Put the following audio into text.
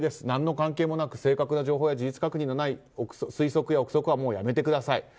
何の関係もなく正確な情報や事実確認のない推測や憶測はもうやめてください。